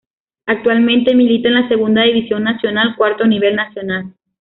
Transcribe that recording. Actualmente milita en la Segunda División Nacional, cuarto nivel nacional.